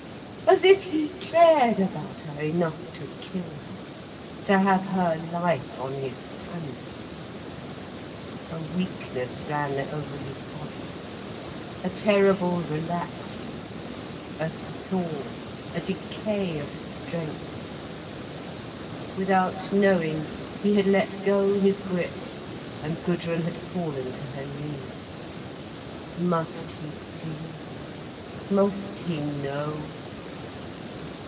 As if he cared about her enough to kill her, to have her life on his hands! A weakness ran over his body, a terrible relaxing, a thaw, a decay of strength. Without knowing, he had let go his grip, and Gudrun had fallen to her knees. Must he see, must he know?